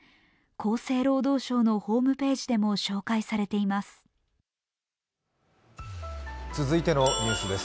厚生労働省のホームページでも紹介されています。